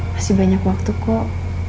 masih banyak waktu kok